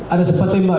ada sempat tembak